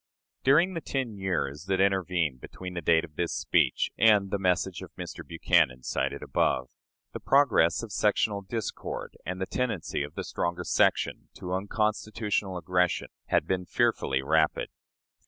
During the ten years that intervened between the date of this speech and the message of Mr. Buchanan cited above, the progress of sectional discord and the tendency of the stronger section to unconstitutional aggression had been fearfully rapid.